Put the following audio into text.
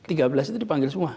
tiga belas itu dipanggil semua